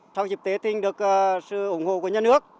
sau dịp tế tìm được sự ủng hộ của nhà nước